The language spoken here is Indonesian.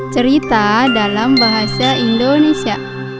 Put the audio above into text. cerita dalam bahasa indonesia